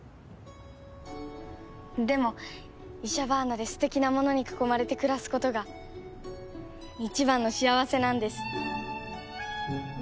でもイシャバーナで素敵なものに囲まれて暮らすことが一番の幸せなんです。